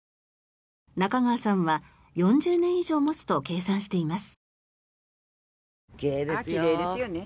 中川さんは４０年以上持つと計算しています。